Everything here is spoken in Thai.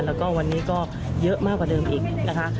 แล้วก็วันนี้ก็เยอะมากกว่าเดิมอีกนะคะ